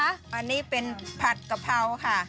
อันนี้เป็นผัดกะเพราค่ะ